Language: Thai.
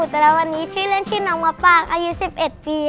แต่ละวันนี้ชื่อเล่นชื่อน้องมะปางอายุ๑๑ปี